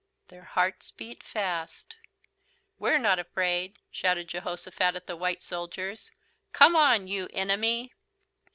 Their hearts beat fast. "We're not afraid," shouted Jehosophat at the white soldiers. "Come on, you enemy!"